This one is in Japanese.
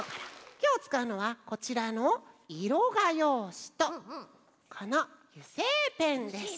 きょうつかうのはこちらのいろがようしとこのゆせいペンです。